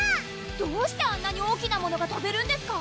どうしてあんなに大きなものがとべるんですか？